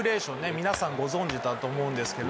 皆さんご存じだと思うんですけども。